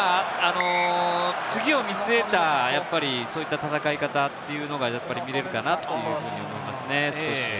次を見据えた、そういった戦い方というのが見えるかなというふうに思いますね。